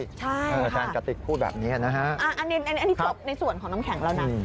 อาจารย์กติกพูดแบบนี้นะฮะอันนี้จบในส่วนของน้ำแข็งแล้วนะ